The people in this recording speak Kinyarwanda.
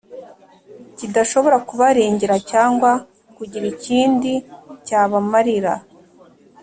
kidashobora kubarengera cyangwa kugira ikindi cyabamarira,